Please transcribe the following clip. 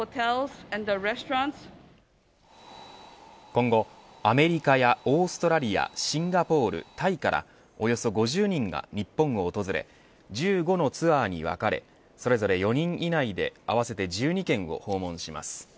今後アメリカやオーストラリアシンガポール、タイからおよそ５０人が日本を訪れ１５のツアーに分かれそれぞれ４人以内で合わせて１２県を訪問します。